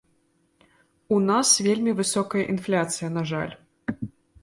У нас вельмі высокая інфляцыя, на жаль.